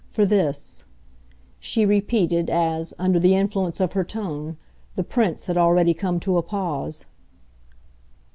For this," she repeated as, under the influence of her tone, the Prince had already come to a pause.